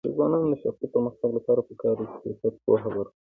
د ځوانانو د شخصي پرمختګ لپاره پکار ده چې سیاست پوهه ورکړي.